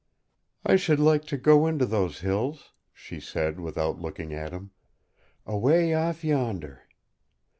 "I should like to go into those hills," she said, without looking at him. "Away off yonder!"